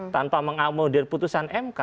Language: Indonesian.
tanpa mengamodir putusan mk